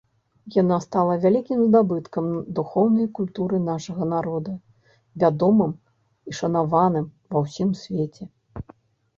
Яна стала вялікім здабыткам духоўнай культуры нашага народа, вядомым і шанаваным ва ўсім свеце.